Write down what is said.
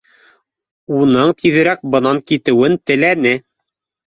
Уның тиҙерәк бынан китеүен теләне